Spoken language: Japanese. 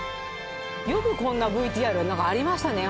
よくこんなＶＴＲがありましたね。